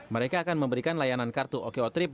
mereka akan memberikan layanan kartu oko trip